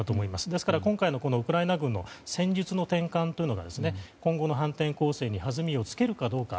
ですから、今回のウクライナ軍の戦術の転換というのが今後の反転攻勢に弾みをつけるかどうか。